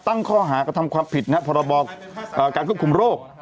ตั้งข้อหากระทำความผิดพรบการควบคุมโรค